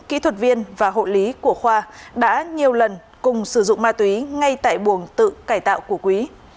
kỹ thuật viên và hộ lý của khoa đã nhiều lần cùng sử dụng ma túy ngay tại buồng tự cải tạo của quý